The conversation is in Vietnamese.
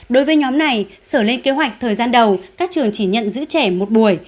đối với nhóm này sở lên kế hoạch thời gian đầu các trường chỉ nhận giữ trẻ một buổi